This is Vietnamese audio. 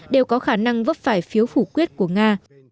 đều có khả năng vấp phải phiếu phủ quyết của nga